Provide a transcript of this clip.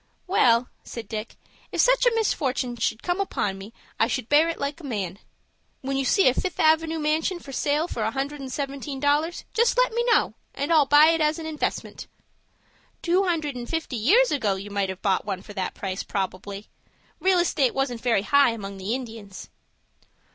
"Well," said Dick, "if such a misfortin' should come upon me I should bear it like a man. When you see a Fifth Avenoo manshun for sale for a hundred and seventeen dollars, just let me know and I'll buy it as an investment." "Two hundred and fifty years ago you might have bought one for that price, probably. Real estate wasn't very high among the Indians."